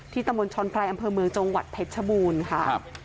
ตำบลช้อนไพรอำเภอเมืองจังหวัดเพชรชบูรณ์ค่ะ